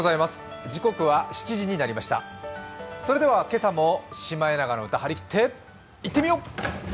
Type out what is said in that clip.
それでは、今朝も「シマエナガの歌」張り切っていってみよう！